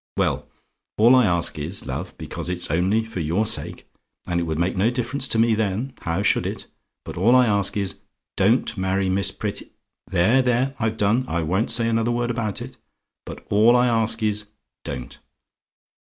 Well, all I ask is, love, because it's only for your sake, and it would make no difference to me then how should it? but all I ask is, don't marry Miss Pret There! there! I've done: I won't say another word about it; but all I ask is, don't.